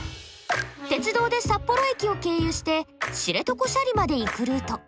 鉄道で札幌駅を経由して知床斜里まで行くルート。